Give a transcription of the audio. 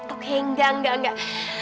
oke enggak enggak enggak